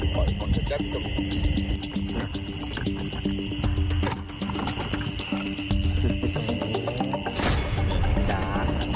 สุดท้ายสุดท้ายสุดท้าย